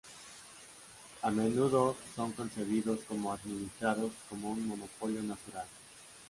A menudo son concebidos como administrados como un monopolio natural.